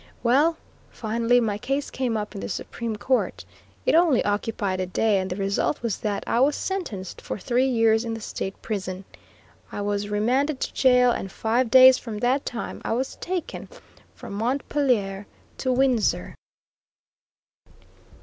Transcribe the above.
Well, finally my case came up in the Supreme Court. It only occupied a day, and the result was that I was sentenced for three years in the State prison. I was remanded to jail, and five days from that time I was taken from Montpelier to Windsor.